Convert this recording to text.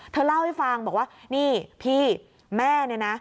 เธอเล่าให้ฟังบอกว่านี่พี่แม่เนี่ยนะ